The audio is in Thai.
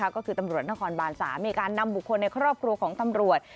ก็คือตำรวจนครบาน๓มีการนำบุคคลในครอบครัวของตำรวจ